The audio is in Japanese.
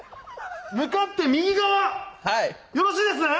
向かって右側はいよろしいですね